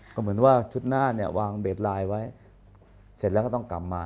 ก็เหมือนว่าชุดหน้าเนี่ยวางเบสไลน์ไว้เสร็จแล้วก็ต้องกลับมา